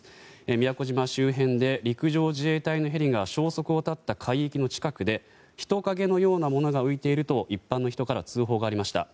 宮古島周辺で陸上自衛隊のヘリが消息を絶った海域の近くで人影のようなものが浮いていると一般の人から通報がありました。